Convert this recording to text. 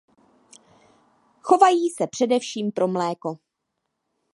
Chovají se především pro mléko.